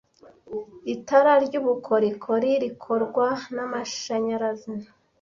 Itara ryubukorikori rikorwa namashanyarazi.